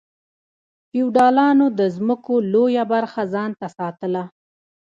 فیوډالانو د ځمکو لویه برخه ځان ته ساتله.